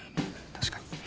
確かに。